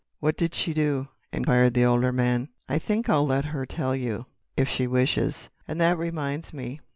"What did she do?" inquired the older man. "I think I'll let her tell you—if she wishes.... And that reminds me.